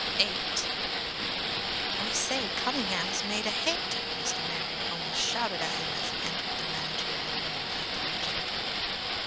VIII. "I say, Cunningham's made a hit!" Mr. Marrier almost shouted at him as he entered the managerial room at the Regent.